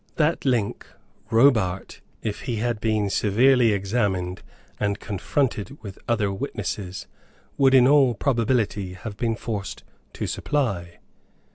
That link Robart, if he had been severely examined and confronted with other witnesses, would in all probability have been forced to supply.